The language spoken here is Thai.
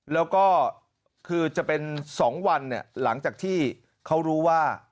แล้วก็คือจะเป็น๒วันหลังจากที่เขารู้ว่า